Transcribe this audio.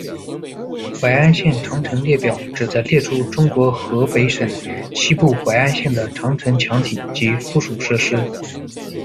怀安县长城列表旨在列出中国河北省西部怀安县的长城墙体及附属设施。